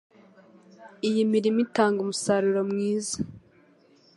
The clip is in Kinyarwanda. Iyi mirima itanga umusaruro mwiza (sctld)